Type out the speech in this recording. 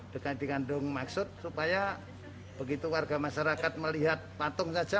dekat dikandung maksud supaya begitu warga masyarakat melihat patung saja